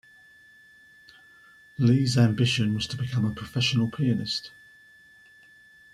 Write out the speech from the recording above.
Li's ambition was to become a professional pianist.